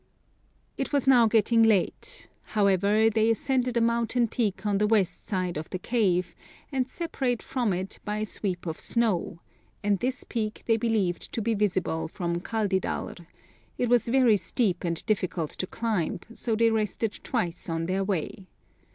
" It was now getting late ; however, they ascended a mountain peak, on the west side of the cave, and separate from it by a sweep of snow, and this peak they believed to be visible from Kaldidalr; it was very steep and difficult to climb, so they rested twice on their way.